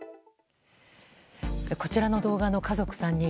こちらの動画の家族３人。